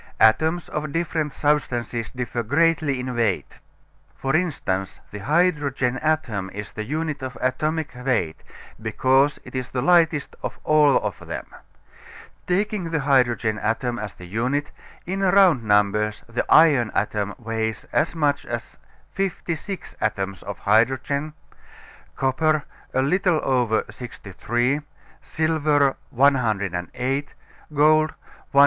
Atoms of different substances differ greatly in weight. For instance, the hydrogen atom is the unit of atomic weight, because it is the lightest of all of them. Taking the hydrogen atom as the unit, in round numbers the iron atom weighs as much as 56 atoms of hydrogen, copper a little over 63, silver 108, gold 197.